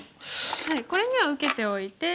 これには受けておいて。